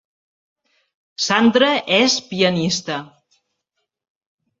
Sandra és pianista